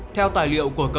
theo tài liệu của cơ sở